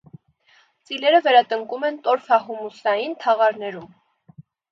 Ծիլերը վերատնկում են տորֆահումուսային թաղարներում։